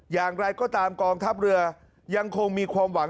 อย่างไรก็ตามกองทัพเรือยังคงมีความหวัง